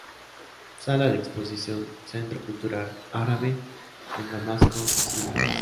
Sala de Exposición, Centro Cultural Árabe, en Damasco, Siria.